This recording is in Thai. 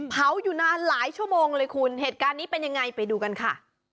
อยู่นานหลายชั่วโมงเลยคุณเหตุการณ์นี้เป็นยังไงไปดูกันค่ะ